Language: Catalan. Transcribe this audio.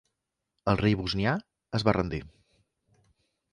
El rei bosnià es va rendir.